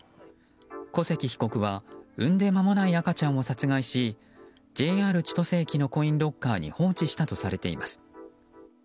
小関被告は産んで間もない赤ちゃんを殺害しＪＲ千歳駅のコインロッカーに放置したとされています。